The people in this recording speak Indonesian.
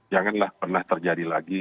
janganlah pernah terjadi lagi